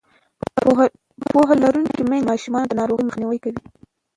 پوهه لرونکې میندې د ماشومانو د ناروغۍ مخنیوی کوي.